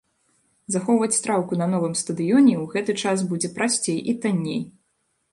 Захоўваць траўку на новым стадыёне ў гэты час будзе прасцей і танней.